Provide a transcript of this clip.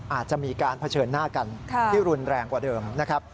อาจจะมีการเผชิญหน้ากันที่รุนแรงกว่าเดิมนะครับ